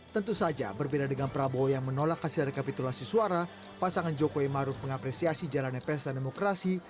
tentu saja berbeda dengan prabowo yang menolak hasil rekapitulasi suara pasangan jokowi maruf mengapresiasi jalannya pesta demokrasi